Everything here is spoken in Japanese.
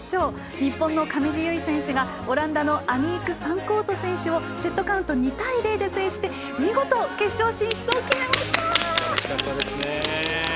日本の上地結衣選手がオランダのアニーク・ファンコート選手をセットポイント３対０で見事、決勝進出を決めました。